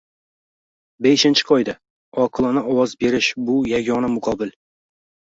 Beshinchi qoida - oqilona ovoz berish - bu yagona muqobil